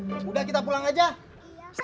saya juga mau minta foto pak capt